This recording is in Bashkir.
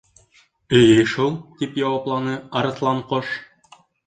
—Эйе шул, —тип яуапланы Арыҫланҡош.